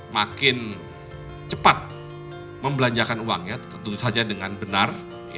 makin cepat membelanjakan uang ya tentu saja dengan benar